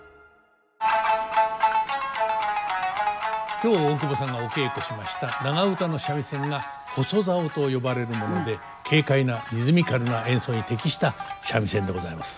今日大久保さんがお稽古しました長唄の三味線が細棹と呼ばれるもので軽快なリズミカルな演奏に適した三味線でございます。